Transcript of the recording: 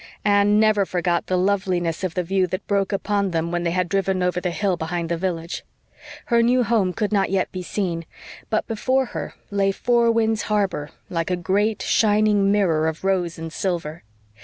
Anne never forgot the loveliness of the view that broke upon them when they had driven over the hill behind the village. Her new home could not yet be seen; but before her lay Four Winds Harbor like a great, shining mirror of rose and silver.